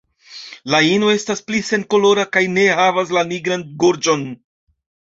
La ino estas pli senkolora kaj ne havas la nigran gorĝon.